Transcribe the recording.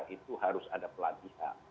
itu harus ada pelatihan